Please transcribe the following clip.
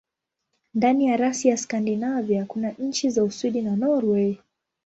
Ndani ya rasi ya Skandinavia kuna nchi za Uswidi na Norwei.